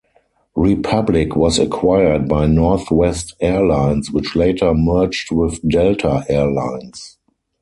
Republic was acquired by Northwest Airlines which later merged with Delta Air Lines.